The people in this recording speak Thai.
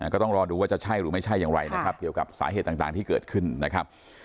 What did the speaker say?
ก็ต้องรอดูว่าจะใช่หรือไม่ใช่อย่างไรนะครับเกี่ยวกับสาเหตุต่างที่เกิดขึ้นนะครับ